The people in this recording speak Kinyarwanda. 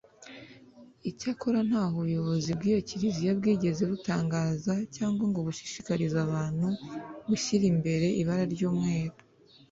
icyakora ntaho ubuyobozi bw’iyo Kiliziya bwigeze butangaza cyangwa ngo bushishikarize abantu gushyira imbere ibara ry’umwura